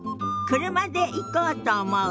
車で行こうと思う。